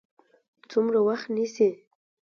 څومره وخت نیسي؟